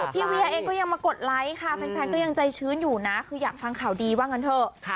เวียเองก็ยังมากดไลค์ค่ะแฟนก็ยังใจชื้นอยู่นะคืออยากฟังข่าวดีว่างั้นเถอะ